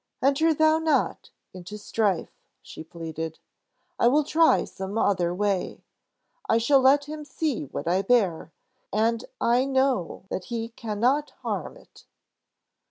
"Enter thou not into strife!" she pleaded. "I will try some other way. I shall let him see what I bear, and I know that he can not harm it."